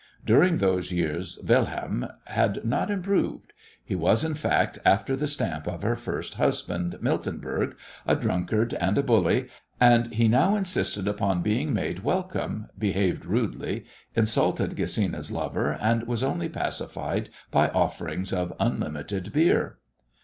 During those years Wilhelm had not improved; he was, in fact, after the stamp of her first husband, Miltenberg, a drunkard and a bully, and he now insisted upon being made welcome, behaved rudely, insulted Gesina's lover, and was only pacified by offerings of unlimited beer.